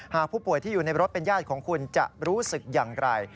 ผู้ป่วยที่อยู่ในรถเป็นญาติของคุณจะรู้สึกอย่างไร